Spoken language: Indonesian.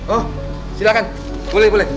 oh silakan boleh boleh